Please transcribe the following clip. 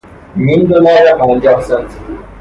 نیم دلار یا پنجاه سنت